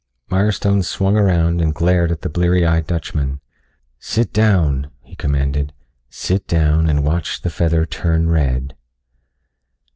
Mirestone swung around and glared at the bleary eyed Dutchman. "Sit down," he commanded. "Sit down and watch the feather turn red."